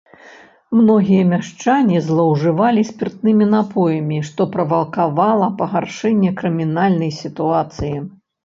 Многія мяшчане злоўжывалі спіртнымі напоямі, што правакавала пагаршэнне крымінальнай сітуацыі.